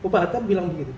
pak ata bilang begitu